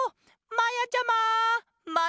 まやちゃま！